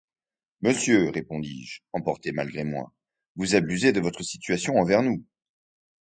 Monsieur, répondis-je, emporté malgré moi, vous abusez de votre situation envers nous !